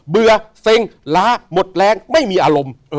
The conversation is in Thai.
เบื่อเซ็งล้าหมดแรงไม่มีอารมณ์